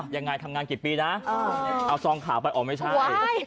ยังไงทำงานกี่ปีนะเอาซองขาวไปอ๋อไม่ใช่